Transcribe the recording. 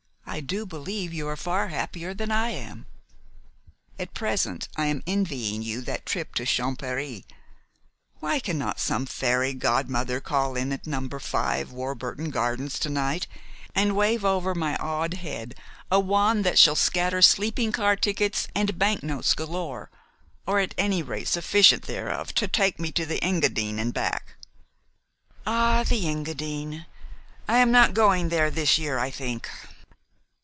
I do believe you are far happier than I." "At present I am envying you that trip to Champèry. Why cannot some fairy godmother call in at No. 5, Warburton Gardens, to night and wave over my awed head a wand that shall scatter sleeping car tickets and banknotes galore, or at any rate sufficient thereof to take me to the Engadine and back?" "Ah, the Engadine. I am not going there this year, I think."